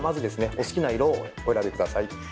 お好きな色をお選びください。